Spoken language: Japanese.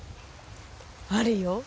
あるよ。